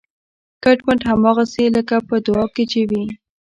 کټ مټ هماغسې لکه په دعا کې چې وي